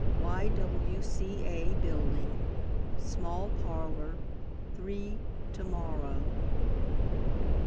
Y.W.C.A. Building, small parlor, three to morrow.